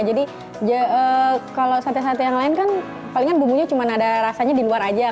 jadi kalau sate sate yang lain kan palingan bumbunya cuma ada rasanya di luar aja